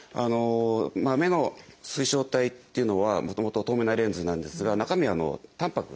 目の水晶体っていうのはもともと透明なレンズなんですが中身はたんぱくなんですね。